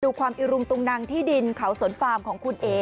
ความอิรุงตุงนังที่ดินเขาสนฟาร์มของคุณเอ๋